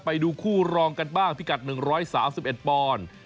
ไปดูคู่รองกันบ้างพิกัด๑๓๑ปอนด์